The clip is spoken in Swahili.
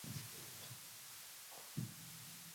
Subiri kidogo.